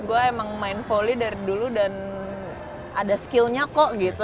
gue emang main volley dari dulu dan ada skillnya kok gitu